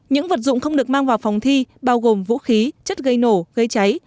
những vật dụng không được mang vào phòng thi bao gồm vũ khí chất gây nổ gây cháy